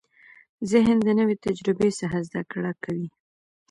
ذهن د نوې تجربې څخه زده کړه کوي.